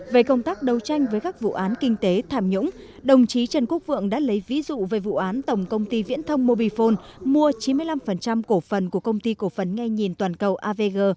về công tác đấu tranh với các vụ án kinh tế thảm nhũng đồng chí trần quốc vượng đã lấy ví dụ về vụ án tổng công ty viễn thông mobifone mua chín mươi năm cổ phần của công ty cổ phần nghe nhìn toàn cầu avg